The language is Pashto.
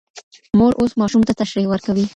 مور اوس ماشوم ته تشریح ورکوي.